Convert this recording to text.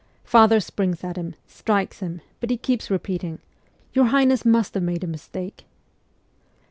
Father springs at him, strikes him, but he keeps repeating, ' Your highness must have made a mistake.'